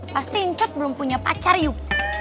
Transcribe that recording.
pasti incut belum punya pacar yuk